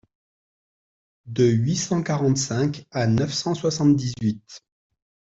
De huit cent quarante-cinq à neuf cent soixante-dix-huit.